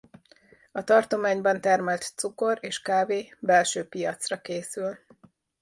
A tartományban termelt cukor és kávé belső piacra készül.